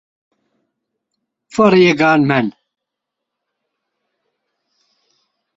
It was distributed by Saban Films.